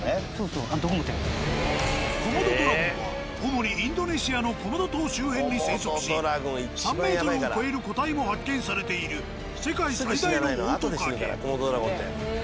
コモドドラゴンは主にインドネシアのコモド島周辺に生息し３ｍを超える個体も発見されている世界最大のオオトカゲ。